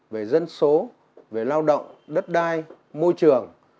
về dân số về lao động đất đai môi trường